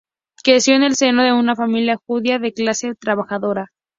Creció en el seno de una familia judía de clase trabajadora.